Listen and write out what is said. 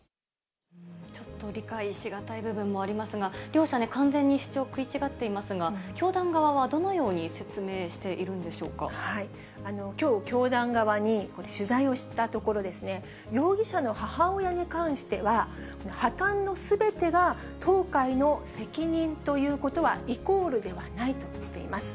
ちょっと理解し難い部分もありますが、両者ね、完全に主張食い違っていますが、教団側はどのきょう、教団側に取材をしたところ、容疑者の母親に関しては、破綻のすべてが当会の責任ということはイコールではないとしています。